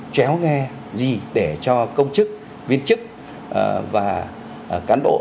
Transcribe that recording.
chéo nghe gì để cho công chức viên chức và cán bộ